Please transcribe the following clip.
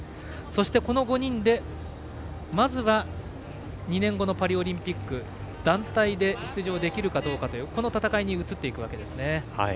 そしてこの５人で、まずは２年後のパリオリンピック団体で出場できるかどうかという戦いに移っていきますね。